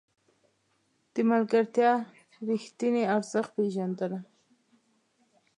د ملګرتیا رښتیني ارزښت پېژنه.